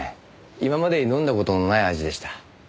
今までに飲んだ事のない味でした。